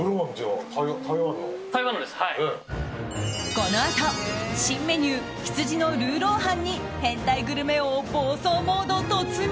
このあと新メニュー羊のルーローハンに変態グルメ王、暴走モード突入！